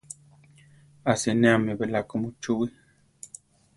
A sinéami belako muchúwii.